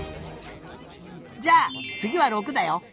じゃあつぎは６だよ！